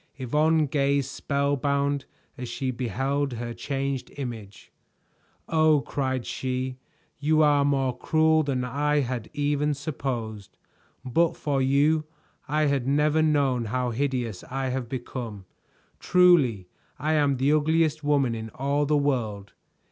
Yvonne gazed spell bound as she beheld her changed image. "Oh!" cried she, "you are more cruel than I had even supposed. But for you I had never known how hideous I have become. Truly I am the ugliest woman in all the world!"